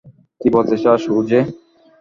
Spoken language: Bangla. কী বলতে চাস, ওজে?